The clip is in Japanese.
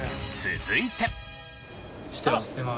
続いて。